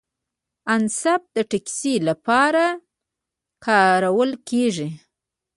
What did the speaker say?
اسنپ د ټکسي لپاره کارول کیږي.